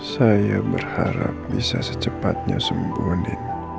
saya berharap bisa secepatnya sempur